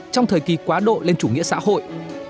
trong thời kỳ quá độ lên chủ nghĩa xã hội